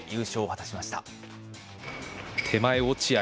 手前、落合。